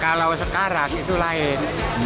kalau sekarang itu lain